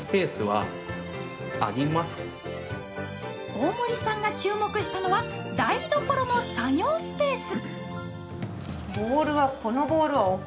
大森さんが注目したのは台所の作業スペース。